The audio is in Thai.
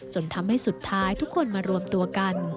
จนทำให้สุดท้ายทุกคนมารวมตัวกัน